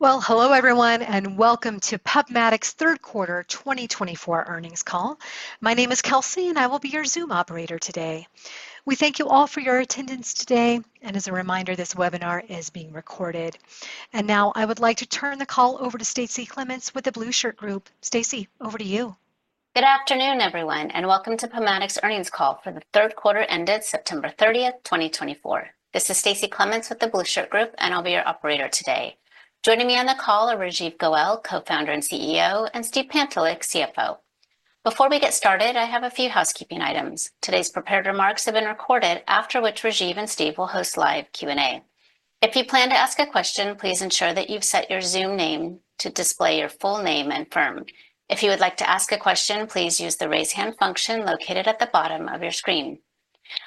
Well, hello everyone, and welcome to PubMatic's third quarter 2024 earnings call. My name is Kelsey, and I will be your Zoom operator today. We thank you all for your attendance today, and as a reminder, this webinar is being recorded. And now I would like to turn the call over to Stacie Clements with The Blueshirt Group. Stacie, over to you. Good afternoon, everyone, and welcome to PubMatic's earnings call for the third quarter ended September 30, 2024. This is Stacie Clements with the Blue Shirt Group, and I'll be your operator today. Joining me on the call are Rajeev Goel, Co-founder and CEO, and Steve Pantelick, CFO. Before we get started, I have a few housekeeping items. Today's prepared remarks have been recorded, after which Rajeev and Steve will host live Q&A. If you plan to ask a question, please ensure that you've set your Zoom name to display your full name and firm. If you would like to ask a question, please use the raise hand function located at the bottom of your screen.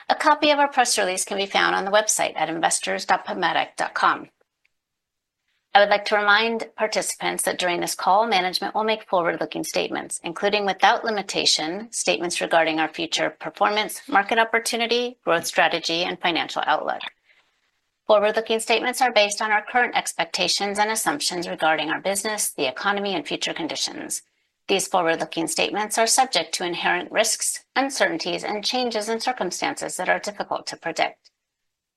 A copy of our press release can be found on the website at investors.pubmatic.com. I would like to remind participants that during this call, management will make forward-looking statements, including without limitation statements regarding our future performance, market opportunity, growth strategy, and financial outlook. Forward-looking statements are based on our current expectations and assumptions regarding our business, the economy, and future conditions. These forward-looking statements are subject to inherent risks, uncertainties, and changes in circumstances that are difficult to predict.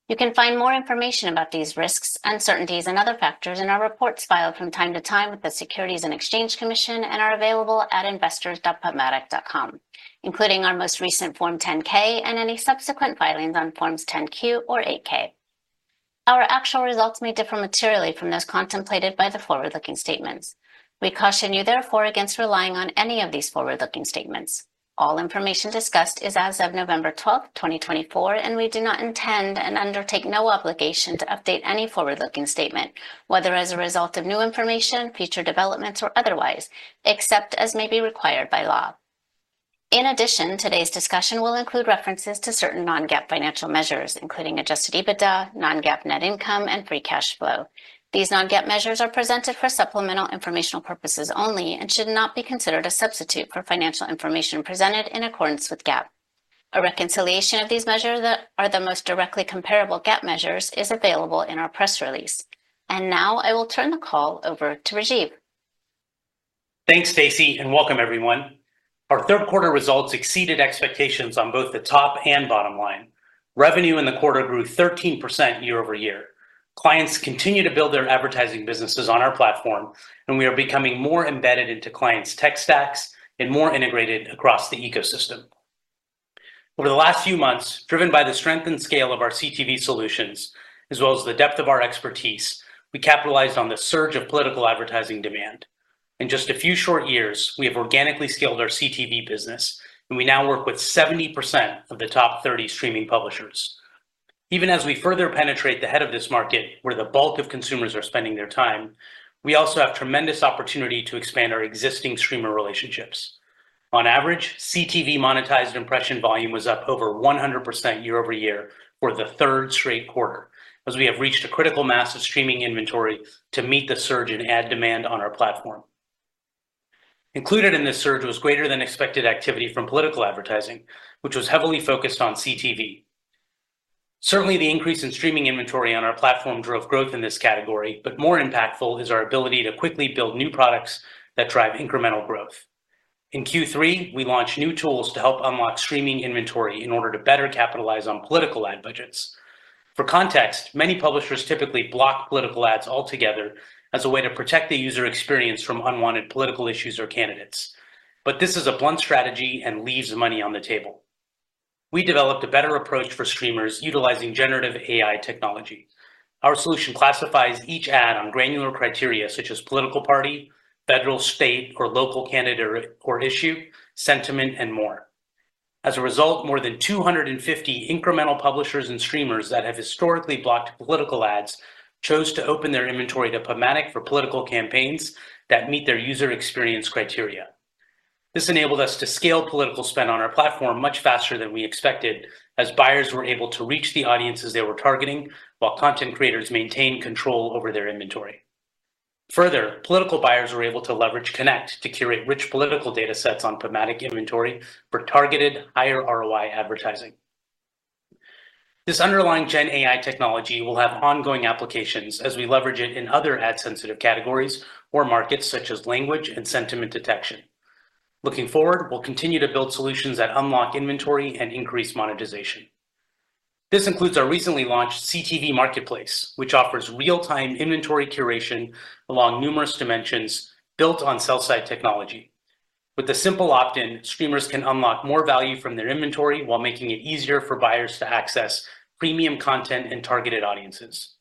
You can find more information about these risks, uncertainties, and other factors in our reports filed from time to time with the Securities and Exchange Commission and are available at investors.pubmatic.com, including our most recent Form 10-K and any subsequent filings on Forms 10-Q or 8-K. Our actual results may differ materially from those contemplated by the forward-looking statements. We caution you, therefore, against relying on any of these forward-looking statements. All information discussed is as of November 12, 2024, and we do not intend and undertake no obligation to update any forward-looking statement, whether as a result of new information, future developments, or otherwise, except as may be required by law. In addition, today's discussion will include references to certain non-GAAP financial measures, including Adjusted EBITDA, non-GAAP net income, and Free Cash Flow. These non-GAAP measures are presented for supplemental informational purposes only and should not be considered a substitute for financial information presented in accordance with GAAP. A reconciliation of these measures that are the most directly comparable GAAP measures is available in our press release and now I will turn the call over to Rajeev. Thanks, Stacie, and welcome, everyone. Our third quarter results exceeded expectations on both the top and bottom line. Revenue in the quarter grew 13% year-over-year. Clients continue to build their advertising businesses on our platform, and we are becoming more embedded into clients' tech stacks and more integrated across the ecosystem. Over the last few months, driven by the strength and scale of our CTV solutions, as well as the depth of our expertise, we capitalized on the surge of political advertising demand. In just a few short years, we have organically scaled our CTV business, and we now work with 70% of the top 30 streaming publishers. Even as we further penetrate the head of this market, where the bulk of consumers are spending their time, we also have tremendous opportunity to expand our existing streamer relationships. On average, CTV monetized impression volume was up over 100% year-over-year for the third straight quarter, as we have reached a critical mass of streaming inventory to meet the surge in ad demand on our platform. Included in this surge was greater-than-expected activity from political advertising, which was heavily focused on CTV. Certainly, the increase in streaming inventory on our platform drove growth in this category, but more impactful is our ability to quickly build new products that drive incremental growth. In Q3, we launched new tools to help unlock streaming inventory in order to better capitalize on political ad budgets. For context, many publishers typically block political ads altogether as a way to protect the user experience from unwanted political issues or candidates. But this is a blunt strategy and leaves money on the table. We developed a better approach for streamers utilizing generative AI technology. Our solution classifies each ad on granular criteria such as political party, federal, state, or local candidate or issue, sentiment, and more. As a result, more than 250 incremental publishers and streamers that have historically blocked political ads chose to open their inventory to PubMatic for political campaigns that meet their user experience criteria. This enabled us to scale political spend on our platform much faster than we expected, as buyers were able to reach the audiences they were targeting while content creators maintained control over their inventory. Further, political buyers were able to leverage Connect to curate rich political data sets on PubMatic inventory for targeted higher ROI advertising. This underlying Gen AI technology will have ongoing applications as we leverage it in other ad-sensitive categories or markets such as language and sentiment detection. Looking forward, we'll continue to build solutions that unlock inventory and increase monetization. This includes our recently launched CTV Marketplace, which offers real-time inventory curation along numerous dimensions built on sell-side technology. With a simple opt-in, streamers can unlock more value from their inventory while making it easier for buyers to access premium content and targeted audiences.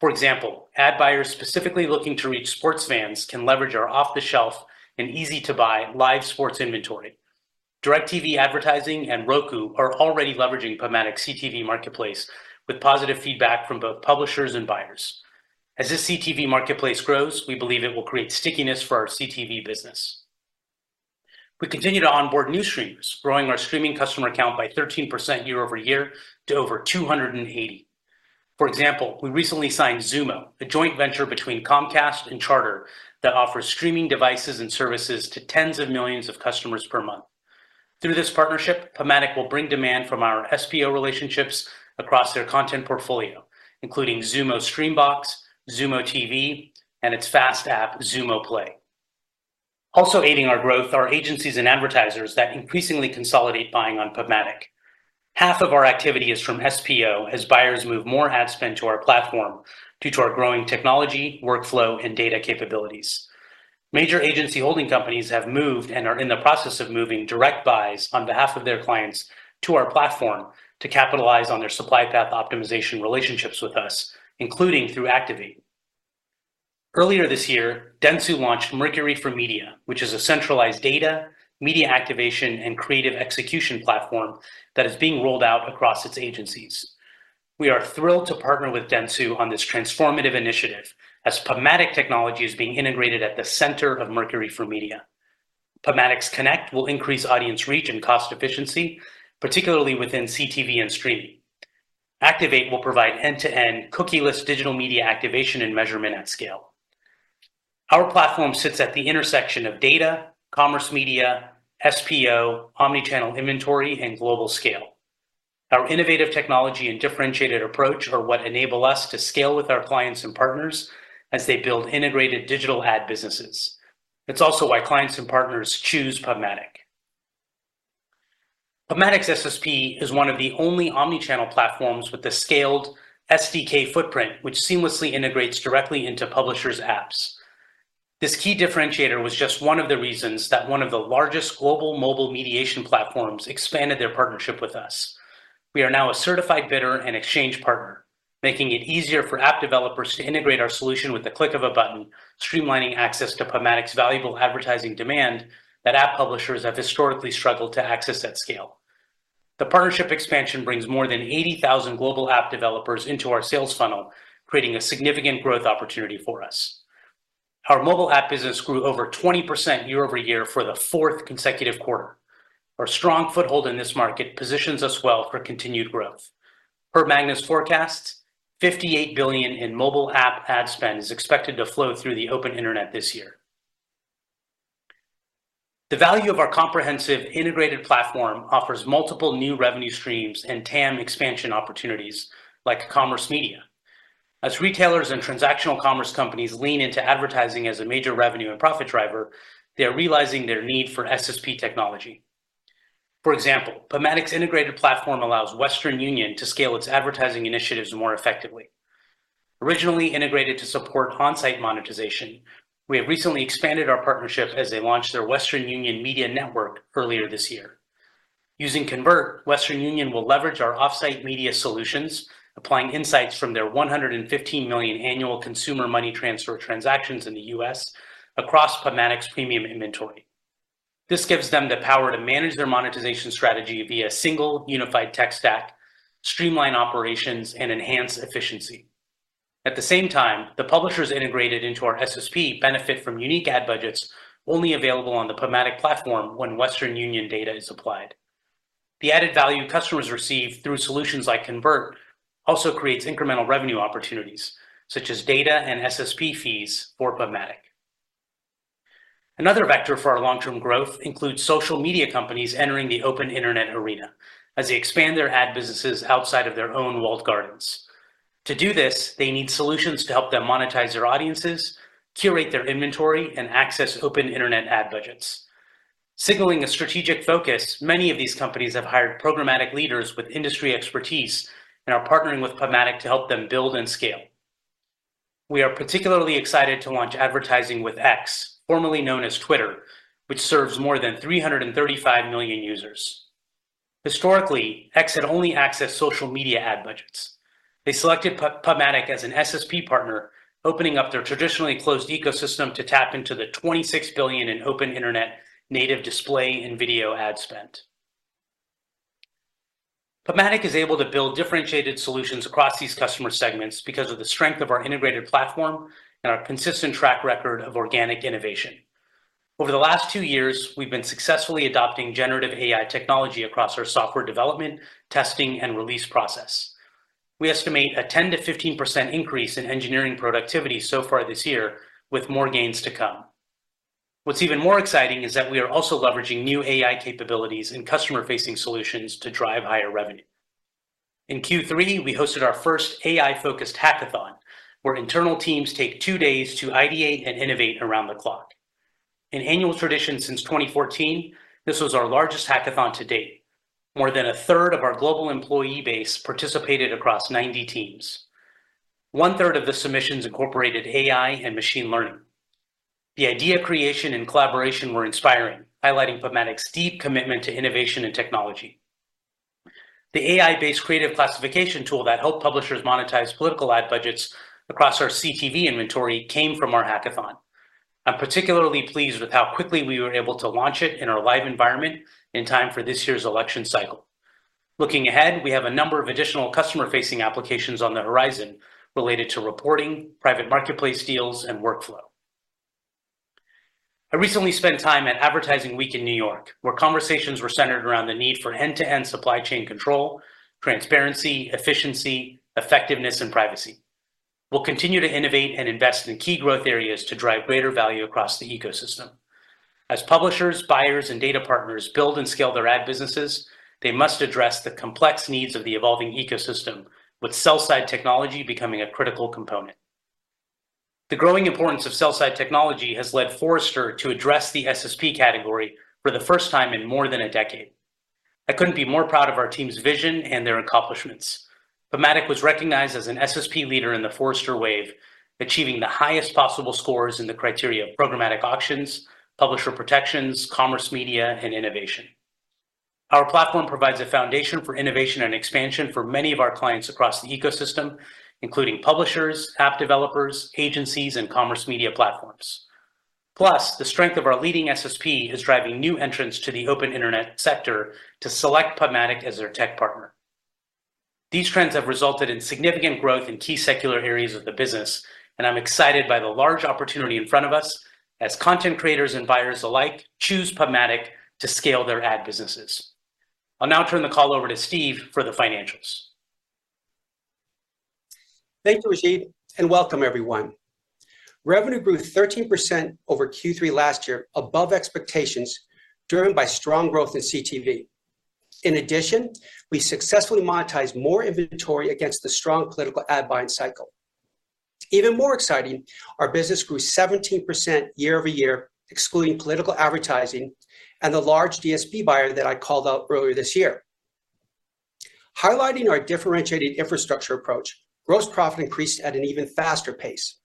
For example, ad buyers specifically looking to reach sports fans can leverage our off-the-shelf and easy-to-buy live sports inventory. DirecTV Advertising and Roku are already leveraging PubMatic's CTV Marketplace with positive feedback from both publishers and buyers. As this CTV Marketplace grows, we believe it will create stickiness for our CTV business. We continue to onboard new streamers, growing our streaming customer count by 13% year-over-year to over 280. For example, we recently signed Xumo, a joint venture between Comcast and Charter that offers streaming devices and services to tens of millions of customers per month. Through this partnership, PubMatic will bring demand from our SPO relationships across their content portfolio, including Xumo Stream Box, Xumo TV, and its FAST app, Xumo Play. Also aiding our growth are agencies and advertisers that increasingly consolidate buying on PubMatic. Half of our activity is from SPO as buyers move more ad spend to our platform due to our growing technology, workflow, and data capabilities. Major agency holding companies have moved and are in the process of moving direct buys on behalf of their clients to our platform to capitalize on their supply path optimization relationships with us, including through Activate. Earlier this year, Dentsu launched Merkury for Media, which is a centralized data, media activation, and creative execution platform that is being rolled out across its agencies. We are thrilled to partner with Dentsu on this transformative initiative as PubMatic technology is being integrated at the center of Mercury for Media. PubMatic's Connect will increase audience reach and cost efficiency, particularly within CTV and streaming. Activate will provide end-to-end cookieless digital media activation and measurement at scale. Our platform sits at the intersection of data, Commerce Media, SPO, Omnichannel inventory, and global scale. Our innovative technology and differentiated approach are what enable us to scale with our clients and partners as they build integrated digital ad businesses. It's also why clients and partners choose PubMatic. PubMatic's SSP is one of the only Omnichannel platforms with a scaled SDK footprint, which seamlessly integrates directly into publishers' apps. This key differentiator was just one of the reasons that one of the largest global mobile mediation platforms expanded their partnership with us. We are now a certified bidder and exchange partner, making it easier for app developers to integrate our solution with the click of a button, streamlining access to PubMatic's valuable advertising demand that app publishers have historically struggled to access at scale. The partnership expansion brings more than 80,000 global app developers into our sales funnel, creating a significant growth opportunity for us. Our mobile app business grew over 20% year-over-year for the fourth consecutive quarter. Our strong foothold in this market positions us well for continued growth. Per MAGNA Forecast, $58 billion in mobile app ad spend is expected to flow through the open internet this year. The value of our comprehensive integrated platform offers multiple new revenue streams and TAM expansion opportunities like commerce media. As retailers and transactional commerce companies lean into advertising as a major revenue and profit driver, they are realizing their need for SSP technology. For example, PubMatic's integrated platform allows Western Union to scale its advertising initiatives more effectively. Originally integrated to support on-site monetization, we have recently expanded our partnership as they launched their Western Union Media Network earlier this year. Using Convert, Western Union will leverage our off-site media solutions, applying insights from their 115 million annual consumer money transfer transactions in the U.S. across PubMatic's premium inventory. This gives them the power to manage their monetization strategy via a single unified tech stack, streamline operations, and enhance efficiency. At the same time, the publishers integrated into our SSP benefit from unique ad budgets only available on the PubMatic platform when Western Union data is applied. The added value customers receive through solutions like Convert also creates incremental revenue opportunities, such as data and SSP fees for PubMatic. Another vector for our long-term growth includes social media companies entering the open internet arena as they expand their ad businesses outside of their own walled gardens. To do this, they need solutions to help them monetize their audiences, curate their inventory, and access open internet ad budgets. Signaling a strategic focus, many of these companies have hired programmatic leaders with industry expertise and are partnering with PubMatic to help them build and scale. We are particularly excited to launch advertising with X, formerly known as Twitter, which serves more than 335 million users. Historically, X had only accessed social media ad budgets. They selected PubMatic as an SSP partner, opening up their traditionally closed ecosystem to tap into the $26 billion in Open Internet native display and video ad spend. PubMatic is able to build differentiated solutions across these customer segments because of the strength of our integrated platform and our consistent track record of organic innovation. Over the last two years, we've been successfully adopting Generative AI technology across our software development, testing, and release process. We estimate a 10%-15% increase in engineering productivity so far this year, with more gains to come. What's even more exciting is that we are also leveraging new AI capabilities and customer-facing solutions to drive higher revenue. In Q3, we hosted our first AI-focused hackathon, where internal teams take two days to ideate and innovate around the clock. An annual tradition since 2014, this was our largest hackathon to date. More than a third of our global employee base participated across 90 teams. One third of the submissions incorporated AI and machine learning. The idea creation and collaboration were inspiring, highlighting PubMatic's deep commitment to innovation and technology. The AI-based creative classification tool that helped publishers monetize political ad budgets across our CTV inventory came from our hackathon. I'm particularly pleased with how quickly we were able to launch it in our live environment in time for this year's election cycle. Looking ahead, we have a number of additional customer-facing applications on the horizon related to reporting, private marketplace deals, and workflow. I recently spent time at Advertising Week in New York, where conversations were centered around the need for end-to-end supply chain control, transparency, efficiency, effectiveness, and privacy. We'll continue to innovate and invest in key growth areas to drive greater value across the ecosystem. As publishers, buyers, and data partners build and scale their ad businesses, they must address the complex needs of the evolving ecosystem, with sell-side technology becoming a critical component. The growing importance of sell-side technology has led Forrester to address the SSP category for the first time in more than a decade. I couldn't be more proud of our team's vision and their accomplishments. PubMatic was recognized as an SSP leader in the Forrester Wave, achieving the highest possible scores in the criteria of programmatic auctions, publisher protections, commerce media, and innovation. Our platform provides a foundation for innovation and expansion for many of our clients across the ecosystem, including publishers, app developers, agencies, and commerce media platforms. Plus, the strength of our leading SSP is driving new entrants to the open internet sector to select PubMatic as their tech partner. These trends have resulted in significant growth in key secular areas of the business, and I'm excited by the large opportunity in front of us as content creators and buyers alike choose PubMatic to scale their ad businesses. I'll now turn the call over to Steve for the financials. Thank you, Rajeev, and welcome, everyone. Revenue grew 13% over Q3 last year, above expectations, driven by strong growth in CTV. In addition, we successfully monetized more inventory against the strong political ad buying cycle. Even more exciting, our business grew 17% year-over-year, excluding political advertising and the large DSP buyer that I called out earlier this year. Highlighting our differentiated infrastructure approach, gross profit increased at an even faster pace.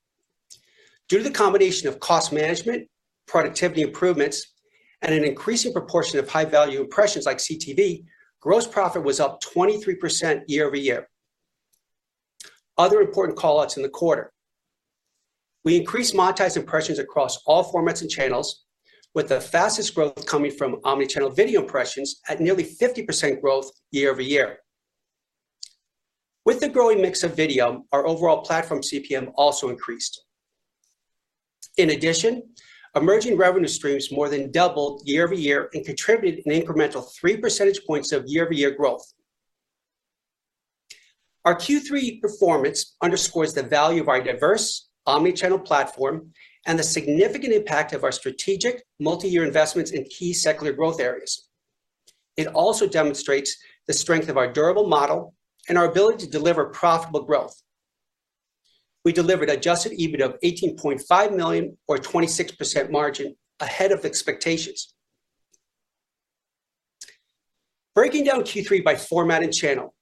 Due to the combination of cost management, productivity improvements, and an increasing proportion of high-value impressions like CTV, gross profit was up 23% year-over-year. Other important callouts in the quarter: we increased monetized impressions across all formats and channels, with the fastest growth coming from omnichannel video impressions at nearly 50% growth year-over-year. With the growing mix of video, our overall platform CPM also increased. In addition, emerging revenue streams more than doubled year-over-year and contributed an incremental 3 percentage points of year-over-year growth. Our Q3 performance underscores the value of our diverse omnichannel platform and the significant impact of our strategic multi-year investments in key secular growth areas. It also demonstrates the strength of our durable model and our ability to deliver profitable growth. We delivered adjusted EBIT of $18.5 million, or 26% margin, ahead of expectations. Breaking down Q3 by format and channel,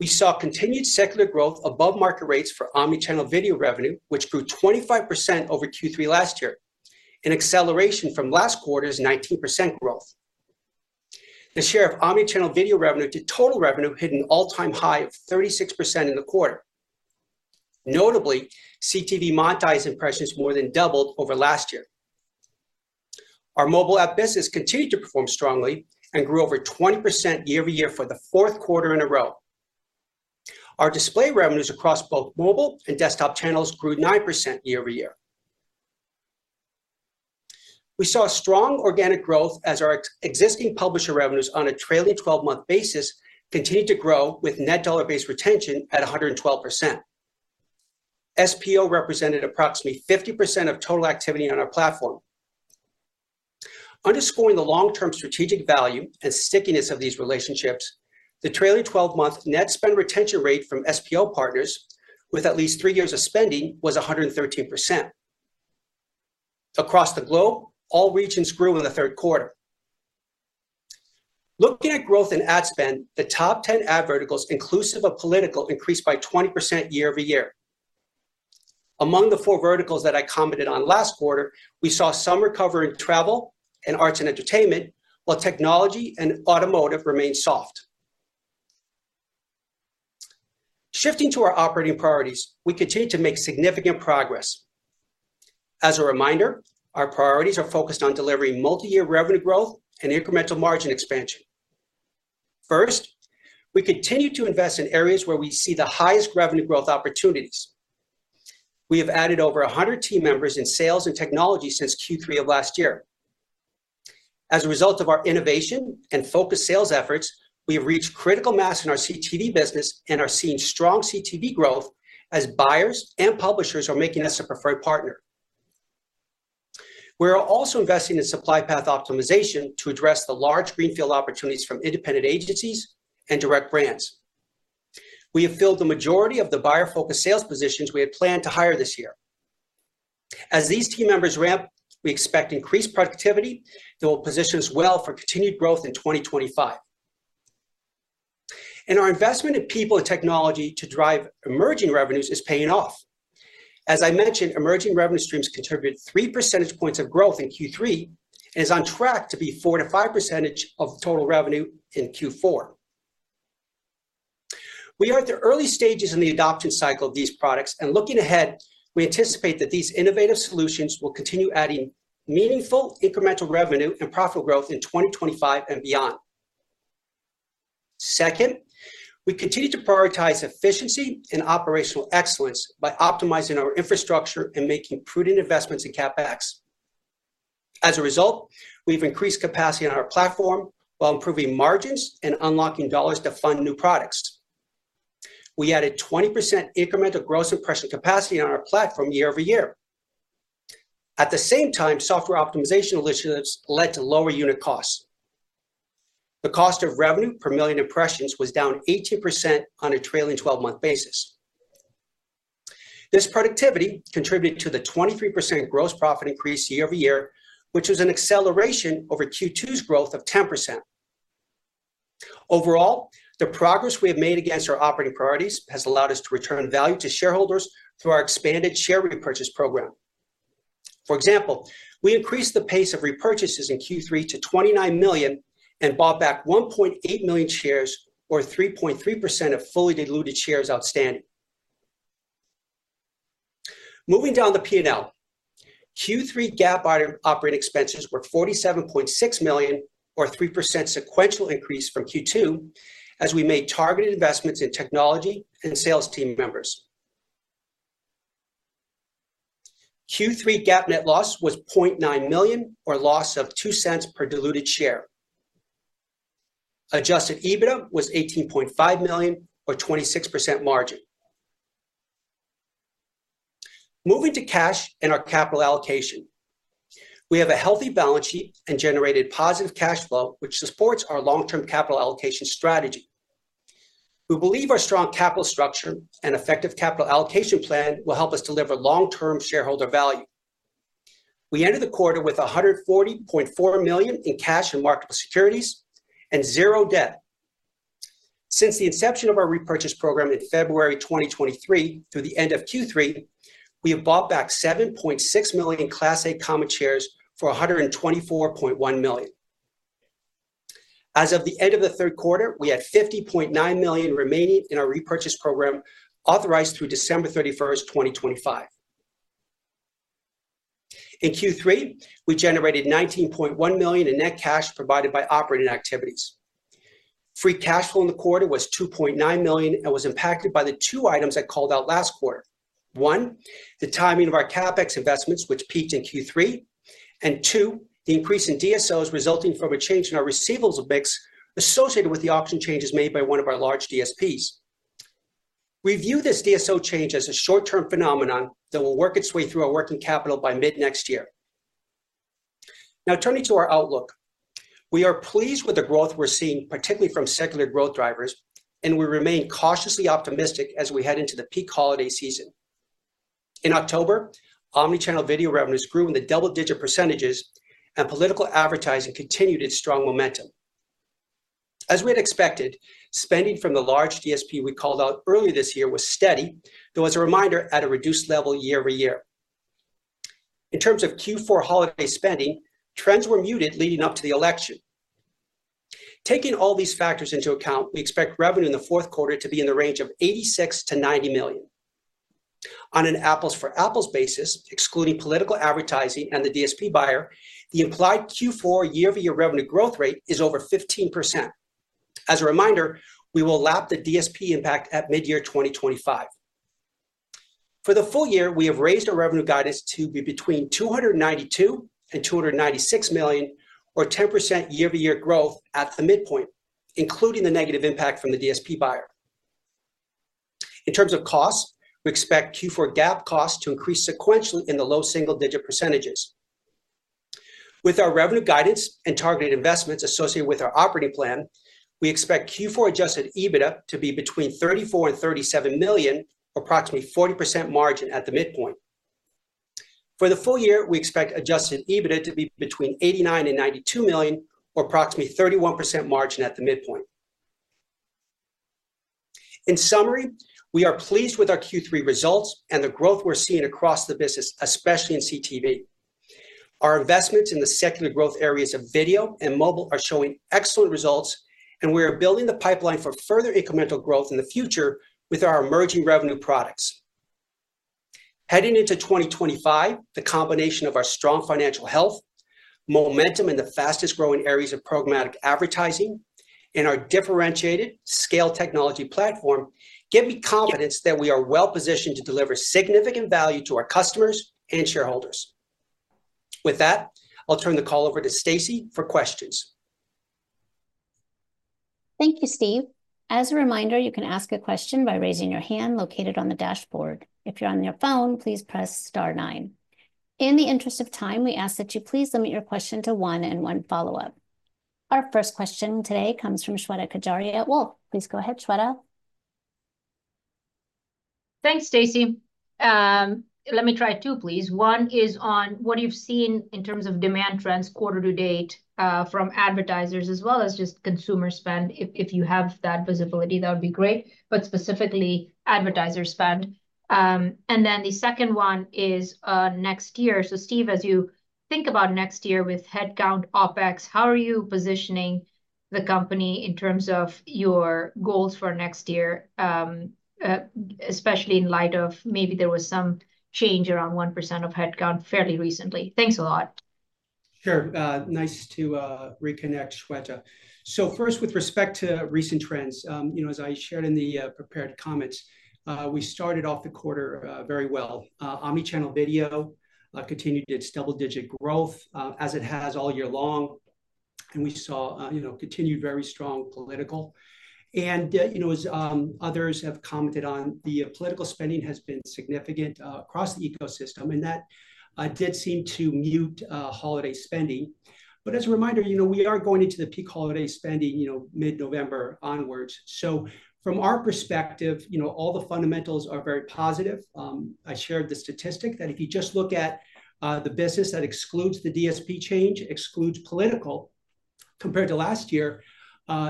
we saw continued secular growth above market rates for Omnichannel video revenue, which grew 25% over Q3 last year, an acceleration from last quarter's 19% growth. The share of Omnichannel video revenue to total revenue hit an all-time high of 36% in the quarter. Notably, CTV monetized impressions more than doubled over last year. Our mobile app business continued to perform strongly and grew over 20% year-over-year for the fourth quarter in a row. Our display revenues across both mobile and desktop channels grew 9% year-over-year. We saw strong organic growth as our existing publisher revenues on a trailing 12-month basis continued to grow, with Net Dollar-Based Retention at 112%. SPO represented approximately 50% of total activity on our platform. Underscoring the long-term strategic value and stickiness of these relationships, the trailing 12-month net spend retention rate from SPO partners with at least three years of spending was 113%. Across the globe, all regions grew in the third quarter. Looking at growth in ad spend, the top 10 ad verticals, inclusive of political, increased by 20% year-over-year. Among the four verticals that I commented on last quarter, we saw some recover in travel and arts and entertainment, while technology and automotive remained soft. Shifting to our operating priorities, we continue to make significant progress. As a reminder, our priorities are focused on delivering multi-year revenue growth and incremental margin expansion. First, we continue to invest in areas where we see the highest revenue growth opportunities. We have added over 100 team members in sales and technology since Q3 of last year. As a result of our innovation and focused sales efforts, we have reached critical mass in our CTV business and are seeing strong CTV growth as buyers and publishers are making us a preferred partner. We are also investing in supply path optimization to address the large greenfield opportunities from independent agencies and direct brands. We have filled the majority of the buyer-focused sales positions we had planned to hire this year. As these team members ramp, we expect increased productivity that will position us well for continued growth in 2025. And our investment in people and technology to drive emerging revenues is paying off. As I mentioned, emerging revenue streams contributed 3 percentage points of growth in Q3 and is on track to be 4%-5% of total revenue in Q4. We are at the early stages in the adoption cycle of these products, and looking ahead, we anticipate that these innovative solutions will continue adding meaningful incremental revenue and profit growth in 2025 and beyond. Second, we continue to prioritize efficiency and operational excellence by optimizing our infrastructure and making prudent investments in CapEx. As a result, we've increased capacity on our platform while improving margins and unlocking dollars to fund new products. We added 20% incremental gross impression capacity on our platform year-over-year. At the same time, software optimization initiatives led to lower unit costs. The cost of revenue per million impressions was down 18% on a trailing 12-month basis. This productivity contributed to the 23% gross profit increase year-over-year, which was an acceleration over Q2's growth of 10%. Overall, the progress we have made against our operating priorities has allowed us to return value to shareholders through our expanded share repurchase program. For example, we increased the pace of repurchases in Q3 to $29 million and bought back 1.8 million shares, or 3.3% of fully diluted shares outstanding. Moving down the P&L, Q3 GAAP operating expenses were $47.6 million, or 3% sequential increase from Q2, as we made targeted investments in technology and sales team members. Q3 GAAP net loss was $0.9 million, or loss of $0.02 per diluted share. Adjusted EBITDA was $18.5 million, or 26% margin. Moving to cash and our capital allocation, we have a healthy balance sheet and generated positive cash flow, which supports our long-term capital allocation strategy. We believe our strong capital structure and effective capital allocation plan will help us deliver long-term shareholder value. We entered the quarter with $140.4 million in cash and marketable securities and zero debt. Since the inception of our repurchase program in February 2023 through the end of Q3, we have bought back 7.6 million Class A common shares for $124.1 million. As of the end of the third quarter, we had $50.9 million remaining in our repurchase program authorized through December 31, 2025. In Q3, we generated $19.1 million in net cash provided by operating activities. Free cash flow in the quarter was $2.9 million and was impacted by the two items I called out last quarter: one, the timing of our CapEx investments, which peaked in Q3, and two, the increase in DSOs resulting from a change in our receivables mix associated with the auction changes made by one of our large DSPs. We view this DSO change as a short-term phenomenon that will work its way through our working capital by mid-next year. Now, turning to our outlook, we are pleased with the growth we're seeing, particularly from secular growth drivers, and we remain cautiously optimistic as we head into the peak holiday season. In October, omnichannel video revenues grew in the double-digit %, and political advertising continued its strong momentum. As we had expected, spending from the large DSP we called out earlier this year was steady, though, as a reminder, at a reduced level year-over-year. In terms of Q4 holiday spending, trends were muted leading up to the election. Taking all these factors into account, we expect revenue in the fourth quarter to be in the range of $86 million-$90 million. On an apples-for-apples basis, excluding political advertising and the DSP buyer, the implied Q4 year-over-year revenue growth rate is over 15%. As a reminder, we will lap the DSP impact at mid-year 2025. For the full year, we have raised our revenue guidance to be between $292 million-$296 million, or 10% year-over-year growth at the midpoint, including the negative impact from the DSP buyer. In terms of costs, we expect Q4 GAAP costs to increase sequentially in the low single-digit percentages. With our revenue guidance and targeted investments associated with our operating plan, we expect Q4 adjusted EBITDA to be between $34 million-$37 million, or approximately 40% margin at the midpoint. For the full year, we expect adjusted EBITDA to be between $89 million-$92 million, or approximately 31% margin at the midpoint. In summary, we are pleased with our Q3 results and the growth we're seeing across the business, especially in CTV. Our investments in the secular growth areas of video and mobile are showing excellent results, and we are building the pipeline for further incremental growth in the future with our emerging revenue products. Heading into 2025, the combination of our strong financial health, momentum in the fastest-growing areas of programmatic advertising, and our differentiated scale technology platform gives me confidence that we are well-positioned to deliver significant value to our customers and shareholders. With that, I'll turn the call over to Stacie for questions. Thank you, Steve. As a reminder, you can ask a question by raising your hand located on the dashboard. If you're on your phone, please press star nine. In the interest of time, we ask that you please limit your question to one and one follow-up. Our first question today comes from Shweta Khajuria at Wolfe Research. Please go ahead, Shweta. Thanks, Stacie. Let me try two, please. One is on what you've seen in terms of demand trends quarter to date from advertisers, as well as just consumer spend. If you have that visibility, that would be great, but specifically advertiser spend. And then the second one is next year. So, Steve, as you think about next year with headcount, OpEx, how are you positioning the company in terms of your goals for next year, especially in light of maybe there was some change around 1% of headcount fairly recently? Thanks a lot. Sure. Nice to reconnect, Shweta. So first, with respect to recent trends, as I shared in the prepared comments, we started off the quarter very well. Omnichannel video continued its double-digit growth as it has all year long, and we saw continued very strong political. And as others have commented on, the political spending has been significant across the ecosystem, and that did seem to mute holiday spending. But as a reminder, we are going into the peak holiday spending mid-November onwards. So from our perspective, all the fundamentals are very positive. I shared the statistic that if you just look at the business that excludes the DSP change, excludes political, compared to last year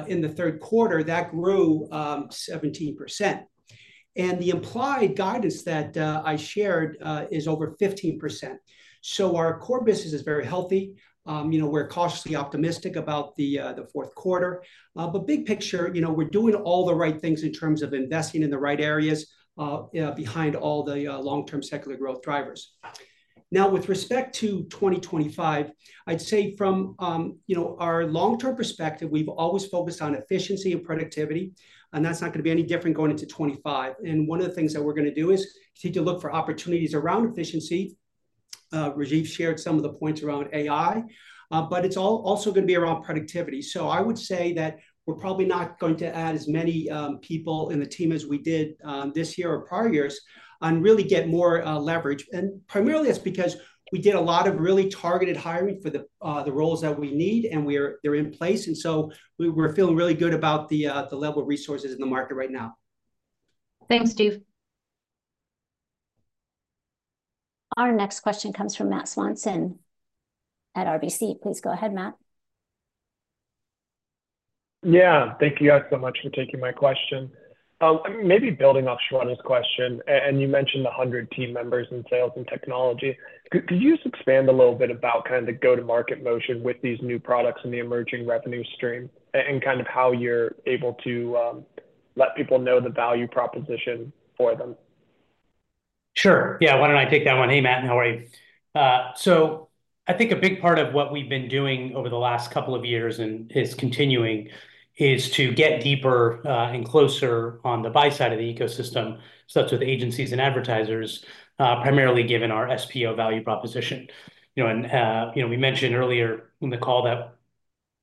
in the third quarter, that grew 17%. And the implied guidance that I shared is over 15%. So our core business is very healthy. We're cautiously optimistic about the fourth quarter. But big picture, we're doing all the right things in terms of investing in the right areas behind all the long-term secular growth drivers. Now, with respect to 2025, I'd say from our long-term perspective, we've always focused on efficiency and productivity, and that's not going to be any different going into 2025. And one of the things that we're going to do is continue to look for opportunities around efficiency. Rajeev shared some of the points around AI, but it's also going to be around productivity. So I would say that we're probably not going to add as many people in the team as we did this year or prior years and really get more leverage. And primarily, that's because we did a lot of really targeted hiring for the roles that we need, and they're in place. And so we're feeling really good about the level of resources in the market right now. Thanks, Steve. Our next question comes from Matt Swanson at RBC. Please go ahead, Matt. Yeah. Thank you guys so much for taking my question. Maybe building off Shweta's question, and you mentioned the 100 team members in sales and technology. Could you just expand a little bit about kind of the go-to-market motion with these new products and the emerging revenue stream and kind of how you're able to let people know the value proposition for them? Sure. Yeah. Why don't I take that one? Hey, Matt. No worries. So I think a big part of what we've been doing over the last couple of years and is continuing is to get deeper and closer on the buy-side of the ecosystem, such as with agencies and advertisers, primarily given our SPO value proposition. And we mentioned earlier in the call that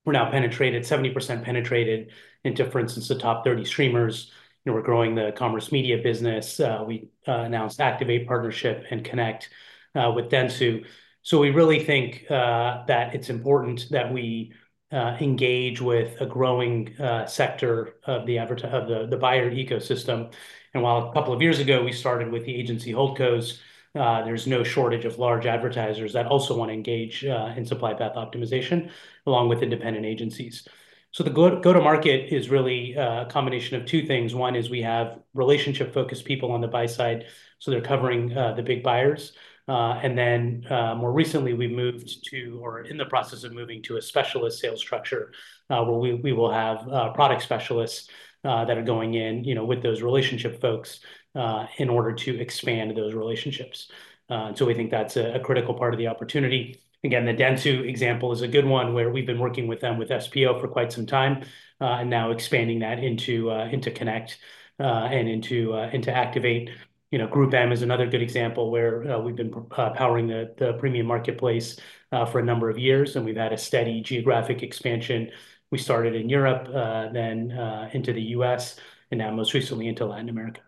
we're now penetrated, 70% penetrated into, for instance, the top 30 streamers. We're growing the commerce media business. We announced Activate partnership and Connect with Dentsu. So we really think that it's important that we engage with a growing sector of the buyer ecosystem. And while a couple of years ago, we started with the agency holdcos, there's no shortage of large advertisers that also want to engage in supply path optimization along with independent agencies. So the go-to-market is really a combination of two things. One is we have relationship-focused people on the buy-side, so they're covering the big buyers. And then more recently, we've moved to, or are in the process of moving to, a specialist sales structure where we will have product specialists that are going in with those relationship folks in order to expand those relationships. And so we think that's a critical part of the opportunity. Again, the Dentsu example is a good one where we've been working with them with SPO for quite some time and now expanding that into Connect and into Activate. GroupM is another good example where we've been powering the premium marketplace for a number of years, and we've had a steady geographic expansion. We started in Europe, then into the U.S., and now most recently into Latin America.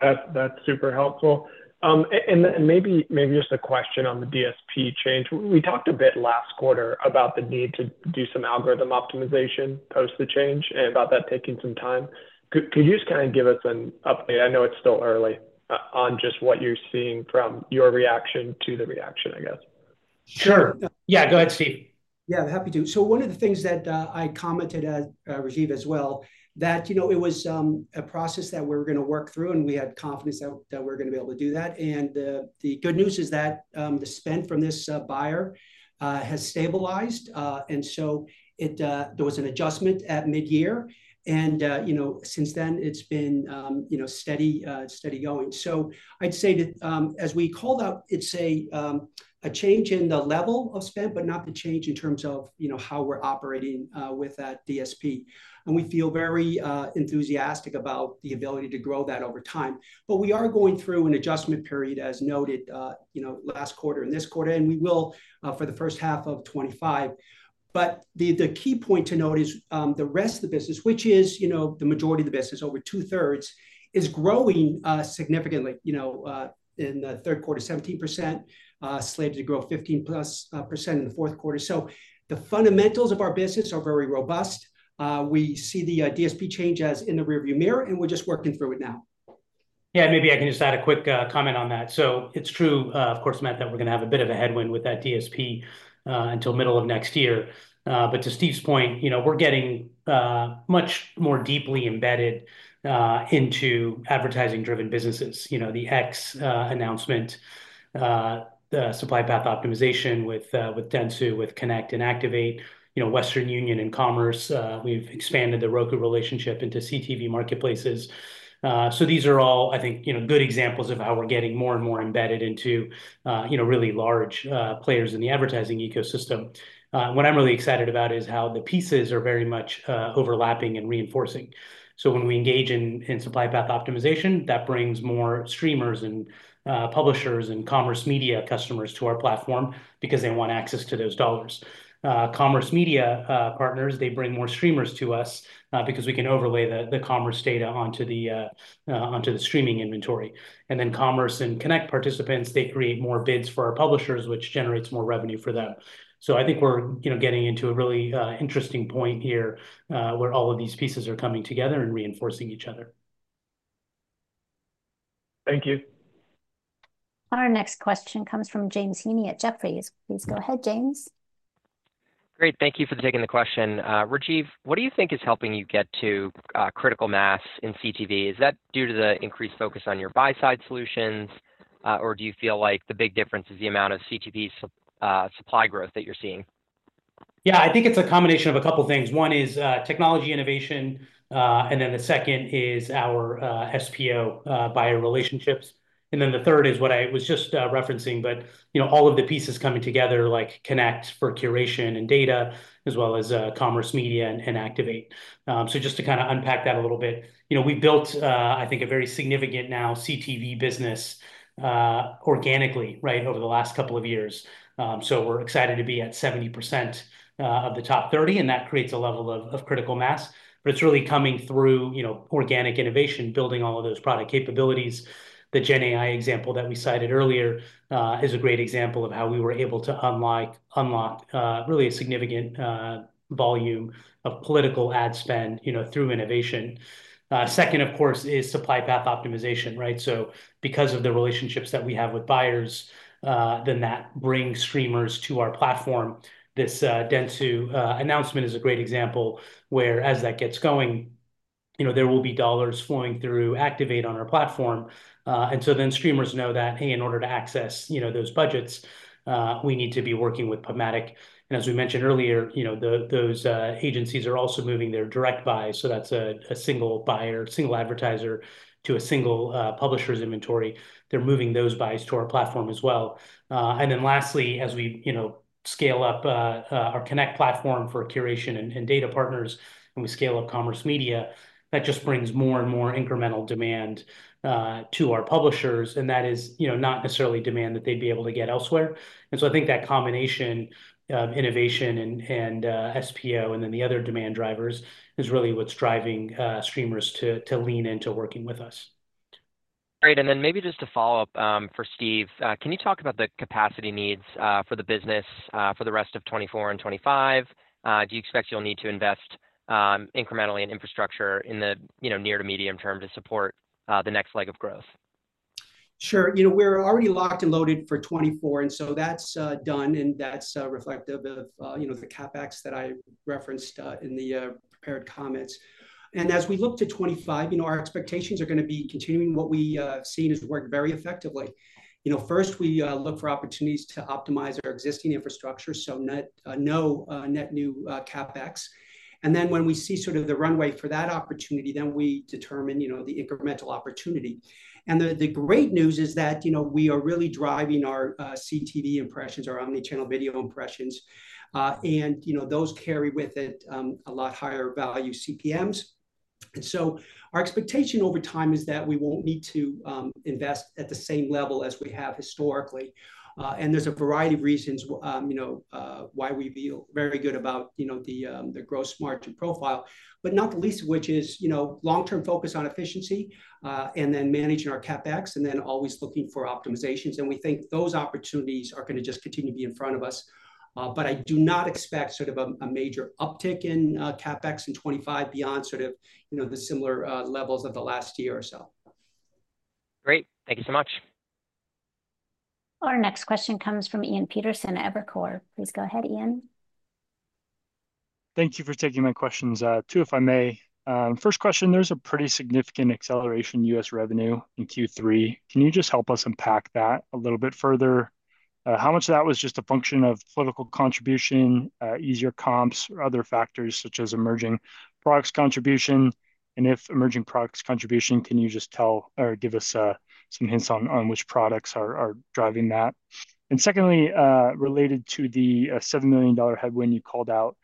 That's super helpful. And maybe just a question on the DSP change. We talked a bit last quarter about the need to do some algorithm optimization post the change and about that taking some time. Could you just kind of give us an update? I know it's still early on just what you're seeing from your reaction to the reaction, I guess. Sure. Yeah. Go ahead, Steve. Yeah. I'm happy to. So one of the things that I commented at Rajeev as well, that it was a process that we were going to work through, and we had confidence that we're going to be able to do that. And the good news is that the spend from this buyer has stabilized. And so there was an adjustment at mid-year, and since then, it's been steady going. So I'd say that as we called out, it's a change in the level of spend, but not the change in terms of how we're operating with that DSP. And we feel very enthusiastic about the ability to grow that over time. But we are going through an adjustment period, as noted, last quarter and this quarter, and we will for the first half of 2025. But the key point to note is the rest of the business, which is the majority of the business, over two-thirds, is growing significantly. In the third quarter, 17%, slated to grow 15% plus in the fourth quarter. So the fundamentals of our business are very robust. We see the DSP change as in the rearview mirror, and we're just working through it now. Yeah. Maybe I can just add a quick comment on that. So it's true, of course, Matt, that we're going to have a bit of a headwind with that DSP until middle of next year. But to Steve's point, we're getting much more deeply embedded into advertising-driven businesses. The X announcement, the supply path optimization with Dentsu, with Connect and Activate, Western Union and Commerce. We've expanded the Roku relationship into CTV marketplaces. So these are all, I think, good examples of how we're getting more and more embedded into really large players in the advertising ecosystem. What I'm really excited about is how the pieces are very much overlapping and reinforcing. So when we engage in supply path optimization, that brings more streamers and publishers and commerce media customers to our platform because they want access to those dollars. Commerce media partners, they bring more streamers to us because we can overlay the commerce data onto the streaming inventory. And then commerce and Connect participants, they create more bids for our publishers, which generates more revenue for them. So I think we're getting into a really interesting point here where all of these pieces are coming together and reinforcing each other. Thank you. Our next question comes from James Heaney at Jefferies. Please go ahead, James. Great. Thank you for taking the question. Rajeev, what do you think is helping you get to critical mass in CTV? Is that due to the increased focus on your buy-side solutions, or do you feel like the big difference is the amount of CTV supply growth that you're seeing? Yeah. I think it's a combination of a couple of things. One is technology innovation, and then the second is our SPO buyer relationships. And then the third is what I was just referencing, but all of the pieces coming together, like Connect for curation and data, as well as commerce media and Activate. So just to kind of unpack that a little bit, we built, I think, a very significant now CTV business organically over the last couple of years. So we're excited to be at 70% of the top 30, and that creates a level of critical mass. But it's really coming through organic innovation, building all of those product capabilities. The Gen AI example that we cited earlier is a great example of how we were able to unlock really a significant volume of political ad spend through innovation. Second, of course, is supply path optimization, right? So because of the relationships that we have with buyers, then that brings streamers to our platform. This Dentsu announcement is a great example where, as that gets going, there will be dollars flowing through Activate on our platform. And so then streamers know that, hey, in order to access those budgets, we need to be working with PubMatic. And as we mentioned earlier, those agencies are also moving their direct buy. So that's a single buyer, single advertiser to a single publisher's inventory. They're moving those buys to our platform as well. And then lastly, as we scale up our Connect platform for curation and data partners, and we scale up commerce media, that just brings more and more incremental demand to our publishers. And that is not necessarily demand that they'd be able to get elsewhere. And so I think that combination of innovation and SPO and then the other demand drivers is really what's driving streamers to lean into working with us. Great. And then maybe just to follow up for Steve, can you talk about the capacity needs for the business for the rest of 2024 and 2025? Do you expect you'll need to invest incrementally in infrastructure in the near to medium term to support the next leg of growth? Sure. We're already locked and loaded for 2024, and so that's done, and that's reflective of the CapEx that I referenced in the prepared comments. As we look to 2025, our expectations are going to be continuing what we have seen has worked very effectively. First, we look for opportunities to optimize our existing infrastructure, so no net new CapEx. And then when we see sort of the runway for that opportunity, then we determine the incremental opportunity. And the great news is that we are really driving our CTV impressions, our omnichannel video impressions, and those carry with it a lot higher value CPMs. And so our expectation over time is that we won't need to invest at the same level as we have historically. And there's a variety of reasons why we feel very good about the growth smart profile, but not the least of which is long-term focus on efficiency and then managing our CapEx and then always looking for optimizations. We think those opportunities are going to just continue to be in front of us. I do not expect sort of a major uptick in CapEx in 2025 beyond sort of the similar levels of the last year or so. Great. Thank you so much. Our next question comes from Ian Peterson, Evercore ISI. Please go ahead, Ian. Thank you for taking my questions, too, if I may. First question, there's a pretty significant acceleration in U.S. revenue in Q3. Can you just help us unpack that a little bit further? How much of that was just a function of political contribution, easier comps, or other factors such as emerging products contribution? If emerging products contribution, can you just tell or give us some hints on which products are driving that? And secondly, related to the $7 million headwind you called out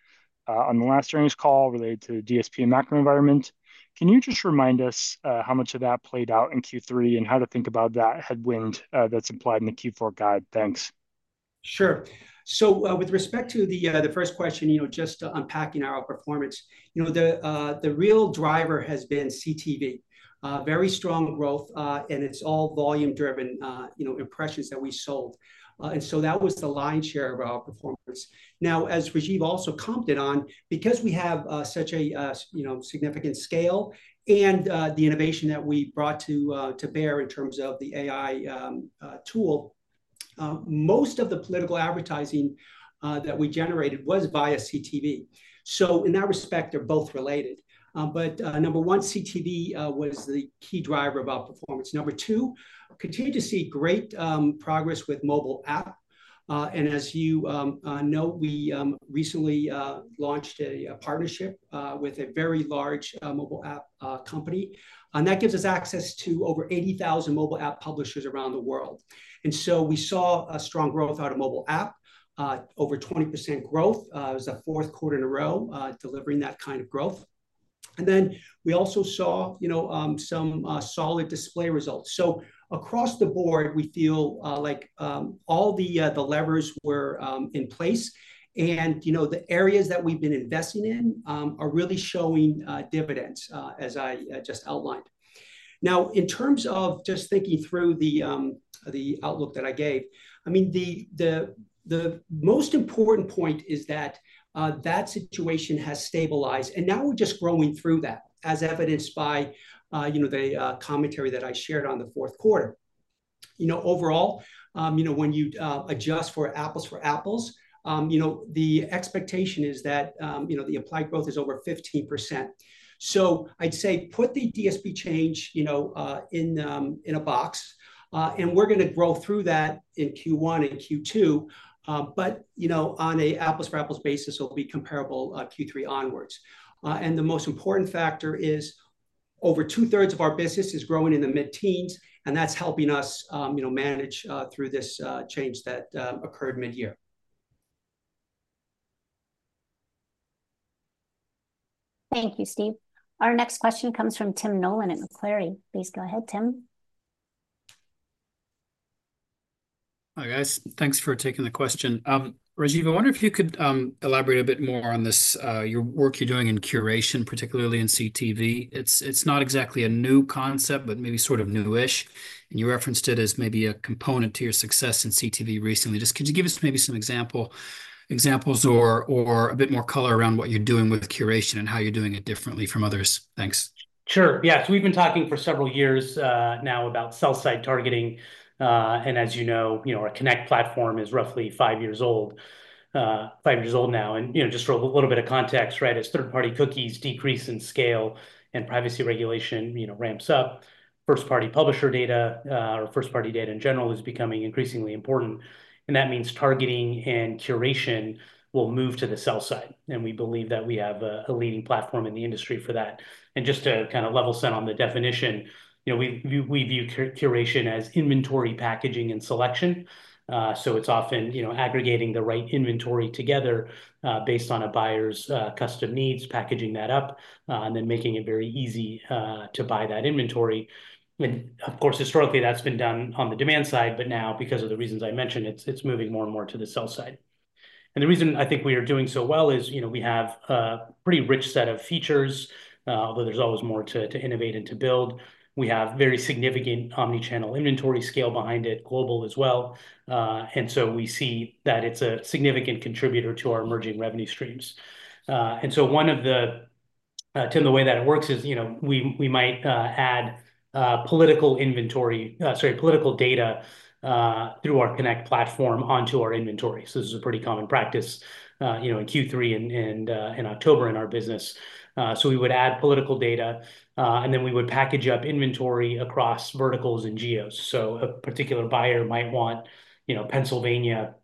on the last earnings call related to the DSP and macro environment, can you just remind us how much of that played out in Q3 and how to think about that headwind that's implied in the Q4 guide? Thanks. Sure. So with respect to the first question, just unpacking our performance, the real driver has been CTV, very strong growth, and it's all volume-driven impressions that we sold. And so that was the lion's share of our performance. Now, as Rajeev also commented on, because we have such a significant scale and the innovation that we brought to bear in terms of the AI tool, most of the political advertising that we generated was via CTV. So in that respect, they're both related. But number one, CTV was the key driver of our performance. Number two, continue to see great progress with mobile app, and as you know, we recently launched a partnership with a very large mobile app company, and that gives us access to over 80,000 mobile app publishers around the world, and so we saw a strong growth out of mobile app, over 20% growth. It was the fourth quarter in a row delivering that kind of growth, and then we also saw some solid display results, so across the board, we feel like all the levers were in place, and the areas that we've been investing in are really showing dividends, as I just outlined. Now, in terms of just thinking through the outlook that I gave, I mean, the most important point is that that situation has stabilized, and now we're just growing through that, as evidenced by the commentary that I shared on the fourth quarter. Overall, when you adjust for apples for apples, the expectation is that the underlying growth is over 15%. So I'd say put the DSP change in a box, and we're going to grow through that in Q1 and Q2. But on an apples for apples basis, it'll be comparable Q3 onwards. And the most important factor is over two-thirds of our business is growing in the mid-teens, and that's helping us manage through this change that occurred mid-year. Thank you, Steve. Our next question comes from Tim Nollen at Macquarie. Please go ahead, Tim. Hi, guys. Thanks for taking the question. Rajeev, I wonder if you could elaborate a bit more on your work you're doing in curation, particularly in CTV. It's not exactly a new concept, but maybe sort of new-ish. And you referenced it as maybe a component to your success in CTV recently. Just could you give us maybe some examples or a bit more color around what you're doing with curation and how you're doing it differently from others? Thanks. Sure. Yeah. So we've been talking for several years now about sell-side targeting. And as you know, our Connect platform is roughly five years old now. And just for a little bit of context, right, as third-party cookies decrease in scale and privacy regulation ramps up, first-party publisher data or first-party data in general is becoming increasingly important. And that means targeting and curation will move to the sell-side. And we believe that we have a leading platform in the industry for that. And just to kind of level set on the definition, we view curation as inventory packaging and selection. It's often aggregating the right inventory together based on a buyer's custom needs, packaging that up, and then making it very easy to buy that inventory. And of course, historically, that's been done on the demand side, but now, because of the reasons I mentioned, it's moving more and more to the sell-side. And the reason I think we are doing so well is we have a pretty rich set of features, although there's always more to innovate and to build. We have very significant Omnichannel inventory scale behind it, global as well. And so we see that it's a significant contributor to our emerging revenue streams. And so one of the, Tim, the way that it works is we might add political inventory, sorry, political data through our Connect platform onto our inventory. So this is a pretty common practice in Q3 and October in our business. So we would add political data, and then we would package up inventory across verticals and geos. So a particular buyer might want Pennsylvania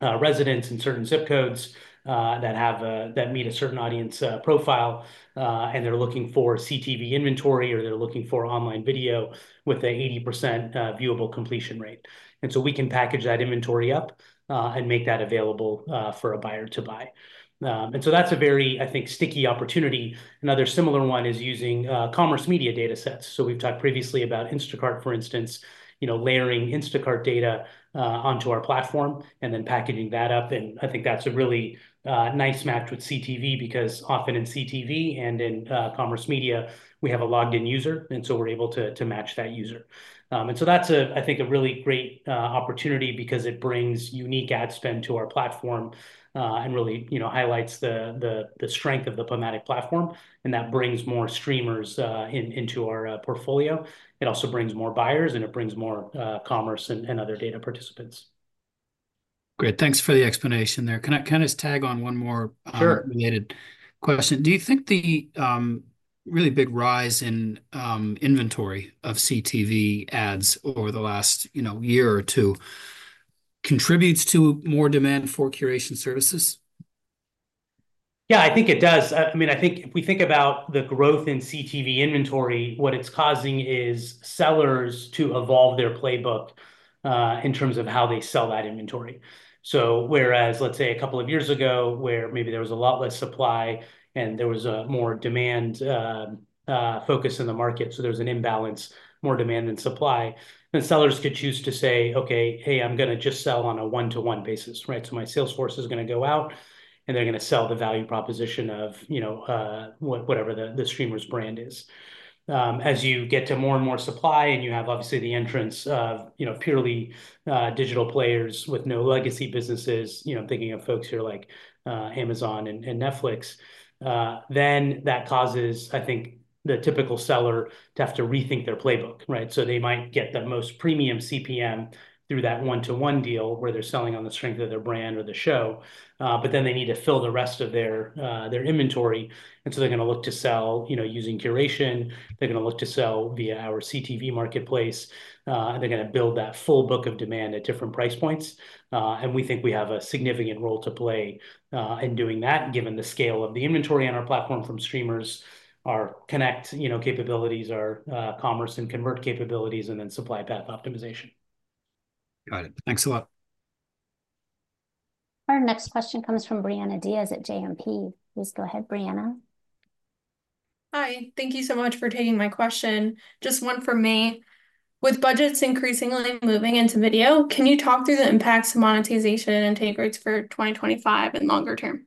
residents in certain ZIP codes that meet a certain audience profile, and they're looking for CTV inventory, or they're looking for online video with an 80% viewable completion rate. And so we can package that inventory up and make that available for a buyer to buy. And so that's a very, I think, sticky opportunity. Another similar one is using commerce media data sets. So we've talked previously about Instacart, for instance, layering Instacart data onto our platform and then packaging that up. And I think that's a really nice match with CTV because often in CTV and in commerce media, we have a logged-in user, and so we're able to match that user. So that's, I think, a really great opportunity because it brings unique ad spend to our platform and really highlights the strength of the PubMatic platform. That brings more streamers into our portfolio. It also brings more buyers, and it brings more commerce and other data participants. Great. Thanks for the explanation there. Can I just tack on one more related question? Do you think the really big rise in inventory of CTV ads over the last year or two contributes to more demand for curation services? Yeah, I think it does. I mean, I think if we think about the growth in CTV inventory, what it's causing is sellers to evolve their playbook in terms of how they sell that inventory. So whereas, let's say, a couple of years ago where maybe there was a lot less supply and there was more demand focus in the market, so there was an imbalance, more demand than supply, then sellers could choose to say, "Okay, hey, I'm going to just sell on a one-to-one basis," right? So my salesforce is going to go out, and they're going to sell the value proposition of whatever the streamer's brand is. As you get to more and more supply and you have obviously the entrance of purely digital players with no legacy businesses, thinking of folks who are like Amazon and Netflix, then that causes, I think, the typical seller to have to rethink their playbook, right? So they might get the most premium CPM through that one-to-one deal where they're selling on the strength of their brand or the show, but then they need to fill the rest of their inventory. And so they're going to look to sell using curation. They're going to look to sell via our CTV Marketplace. They're going to build that full book of demand at different price points. And we think we have a significant role to play in doing that, given the scale of the inventory on our platform from streamers, our Connect capabilities, our commerce and Convert capabilities, and then Supply Path Optimization. Got it. Thanks a lot. Our next question comes from Brianna Diaz at JMP. Please go ahead, Brianna. Hi. Thank you so much for taking my question. Just one for me. With budgets increasingly moving into video, can you talk through the impacts of monetization and take rates for 2025 and longer term?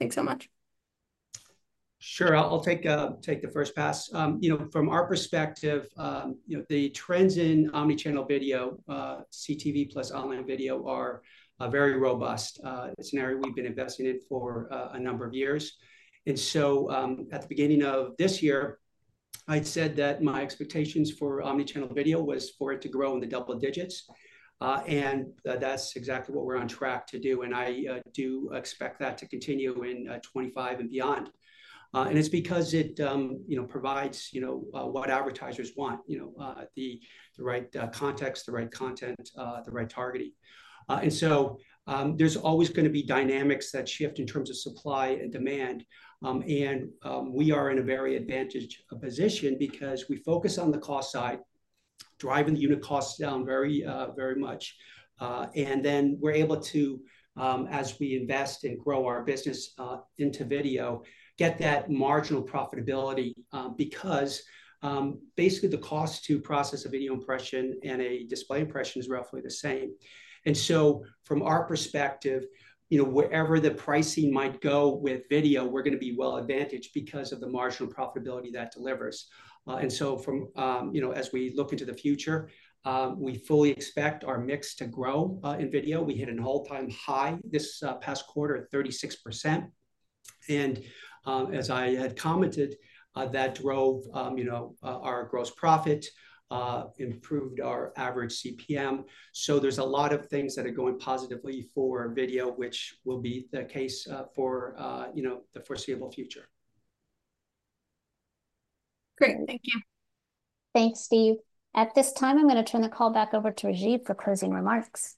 Thanks so much. Sure. I'll take the first pass. From our perspective, the trends in omnichannel video, CTV plus online video are very robust. It's an area we've been investing in for a number of years. And so at the beginning of this year, I'd said that my expectations for omnichannel video was for it to grow in the double digits. And that's exactly what we're on track to do. And I do expect that to continue in 2025 and beyond. And it's because it provides what advertisers want: the right context, the right content, the right targeting. And so there's always going to be dynamics that shift in terms of supply and demand. We are in a very advantageous position because we focus on the cost side, driving the unit costs down very much. And then we're able to, as we invest and grow our business into video, get that marginal profitability because basically the cost to process a video impression and a display impression is roughly the same. And so from our perspective, wherever the pricing might go with video, we're going to be well advantaged because of the marginal profitability that delivers. And so as we look into the future, we fully expect our mix to grow in video. We hit an all-time high this past quarter at 36%. And as I had commented, that drove our gross profit, improved our average CPM. So there's a lot of things that are going positively for video, which will be the case for the foreseeable future. Great. Thank you. Thanks, Steve.At this time, I'm going to turn the call back over to Rajeev for closing remarks.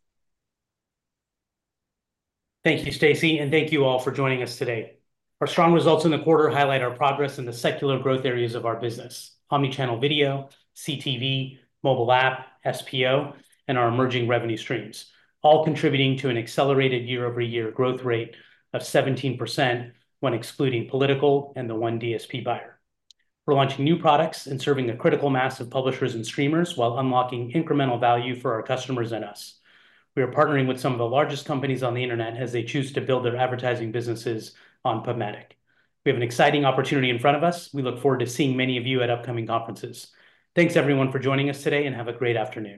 Thank you, Stacie. And thank you all for joining us today. Our strong results in the quarter highlight our progress in the secular growth areas of our business: omnichannel video, CTV, mobile app, SPO, and our emerging revenue streams, all contributing to an accelerated year-over-year growth rate of 17% when excluding political and the one DSP buyer. We're launching new products and serving a critical mass of publishers and streamers while unlocking incremental value for our customers and us. We are partnering with some of the largest companies on the internet as they choose to build their advertising businesses on PubMatic. We have an exciting opportunity in front of us. We look forward to seeing many of you at upcoming conferences. Thanks, everyone, for joining us today, and have a great afternoon.